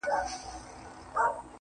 زه د لاسونو د دعا په حافظه کي نه يم_